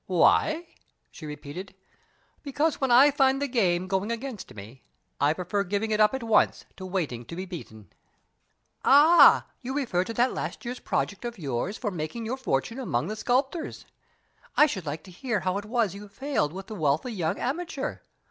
"Why?" she repeated. "Because when I find the game going against me, I prefer giving it up at once to waiting to be beaten." "Ah! you refer to that last year's project of yours for making your fortune among the sculptors. I should like to hear how it was you failed with the wealthy young amateur.